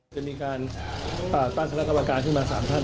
จะมีการตั้งคณะกรรมการขึ้นมา๓ท่าน